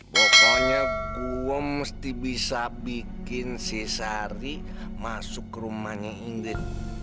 pokoknya kuo mesti bisa bikin si sari masuk ke rumahnya inden